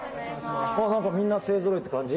みんな勢ぞろいって感じ？